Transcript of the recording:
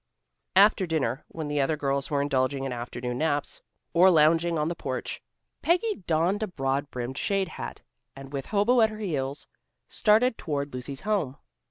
After dinner, when the other girls were indulging in afternoon naps, or lounging on the porch, Peggy donned a broad brimmed shade hat, and with Hobo at her heels, started toward Lucy's home.